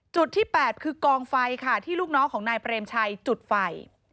จุดที่๘คือกองไฟค่ะที่ลูกน้องของนายเปรมชัยจุดไฟ